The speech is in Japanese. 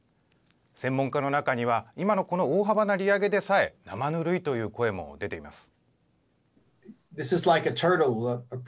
専門家の中には今のこの大幅な利上げでさえなまぬるいという声も出ています。